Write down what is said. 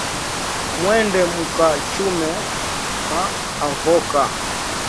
Mwende muka chume ma avoka